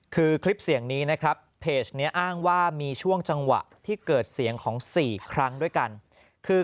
คือคลิปเสียงนี้นะครับเพจนี้อ้างว่ามีช่วงจังหวะที่เกิดเสียงของ๔ครั้งด้วยกันคือ